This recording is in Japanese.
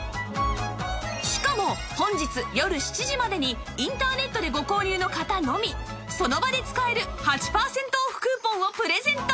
しかも本日よる７時までにインターネットでご購入の方のみその場で使える８パーセントオフクーポンをプレゼント